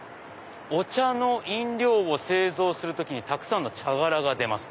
「お茶の飲料を製造するときにたくさんの茶殻が出ます」。